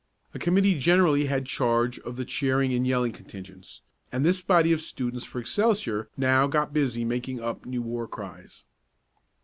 A committee generally had charge of the cheering and yelling contingents, and this body of students for Excelsior now got busy making up new war cries.